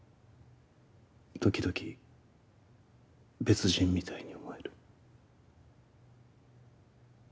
時々別人みたいに思える。